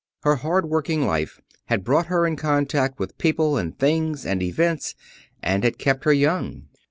Her hard working life had brought her in contact with people, and things, and events, and had kept her young.